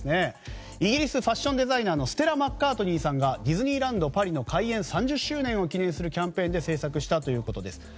イギリスのファッションデザイナーのステラ・マッカートニーさんがディズニーランド・パリの開園３０周年を記念するキャンペーンで制作したということです。